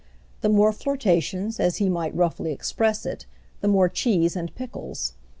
The more flirtations, as he might roughly express it, the more cheese and pickles.